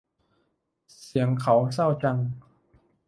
เสียงเขาเศร้าจัง